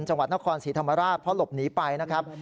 จังหวัดนครศรีธรรมราชเพราะหลบหนีไปนะครับ